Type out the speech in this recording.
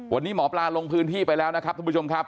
วันนี้หมอปลาลงพื้นที่ไปแล้วนะครับท่านผู้ชมครับ